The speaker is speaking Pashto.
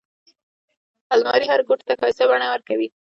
الماري هر کوټ ته ښايسته بڼه ورکوي